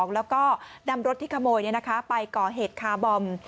แล้วก็นำรถที่ขโมยไปก่อเหตุคาร์บอม